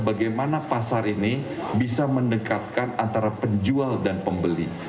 bagaimana pasar ini bisa mendekatkan antara penjual dan pembeli